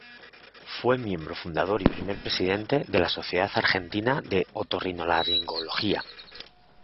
Fue miembro fundador y primer presidente de la Sociedad Argentina de Otorrinolaringología.